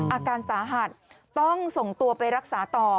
อาการสาหัสต้องส่งตัวไปรักษาต่อ